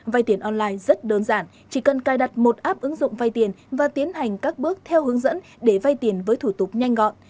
vay tiền online rất đơn giản chỉ cần cài đặt một app ứng dụng vay tiền và tiến hành các bước theo hướng dẫn để vay tiền với thủ tục nhanh gọn